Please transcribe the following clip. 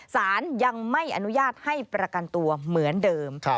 สารยังไม่อนุญาตให้ประกันตัวเหมือนเดิม